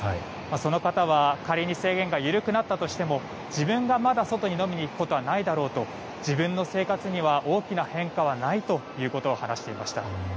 その方は仮に制限が緩くなったとしても自分がまだ外に飲みに行くことはないだろうと、自分の生活には大きな変化はないということを話していました。